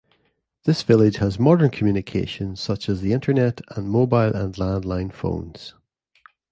This village has modern communications such as the internet and mobile and landline phones.